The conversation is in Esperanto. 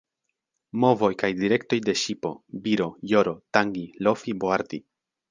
Movoj kaj direktoj de ŝipo: biro, joro, tangi, lofi, boardi.